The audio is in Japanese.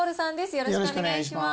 よろしくお願いします。